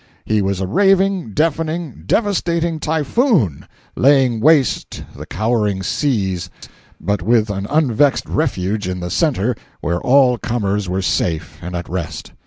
He was a raving, deafening, devastating typhoon, laying waste the cowering seas but with an unvexed refuge in the centre where all comers were safe and at rest.